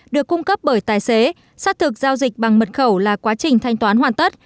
được cung cấp bởi tài xế xác thực giao dịch bằng mật khẩu là quá trình thanh toán hoàn tất